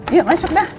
yuk masuk dah